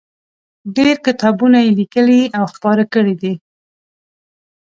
ډېر کتابونه یې لیکلي او خپاره کړي دي.